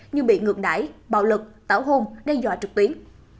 như bị ngược đải bạo lực tảo hôn đe dọa trực tuyến